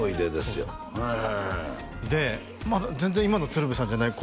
そうで全然今の鶴瓶さんじゃない